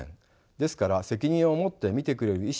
ですから責任を持って診てくれる医師